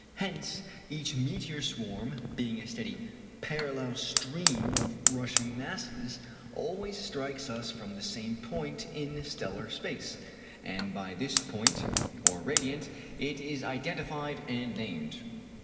Hence each meteor swarm, being a steady parallel stream of rushing masses, always strikes us from the same point in stellar space, and by this point (or radiant) it is identified and named.